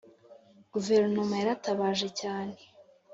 guverinoma yaratabaje cyane,